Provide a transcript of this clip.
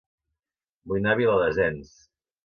Vull anar a Viladasens